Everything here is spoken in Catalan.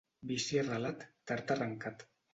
Vici arrelat, tard arrencat.